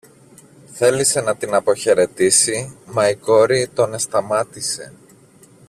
Θέλησε να την αποχαιρετήσει, μα η κόρη τον εσταμάτησε.